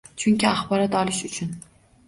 Chunki axborot olish uchun